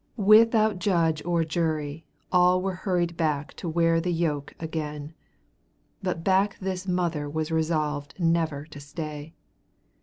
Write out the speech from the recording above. Without judge or jury, all were hurried back to wear the yoke again. But back this mother was resolved never to stay.